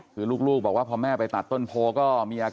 คือลูกบอกว่าพอแม่ไปตัดต้นโพก็มีอาการ